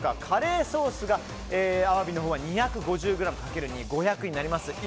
カレーソースがアワビのほうは２５０ｇかける２で５００ｇになります。